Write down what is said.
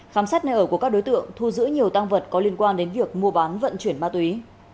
khám xét nơi ở của các đối tượng thu giữ nhiều tăng vật có liên quan đến việc mua bán vận chuyển ma túy